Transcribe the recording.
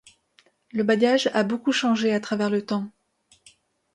Le bagage a beaucoup changé à travers le temps.